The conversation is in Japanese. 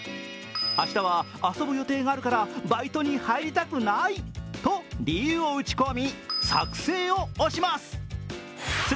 明日は遊ぶ予定があるからバイトに入りたくないと理由を打ち込み、作成を押します。